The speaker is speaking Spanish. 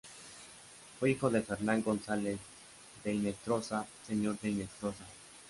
Fue hijo de Fernán González de Hinestrosa, señor de Hinestrosa.